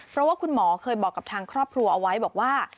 เพราะว่าคุณหมอเคยบอกกับทางครอบครัวเอาไว้บอกว่า